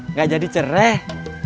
nggak jadi cerah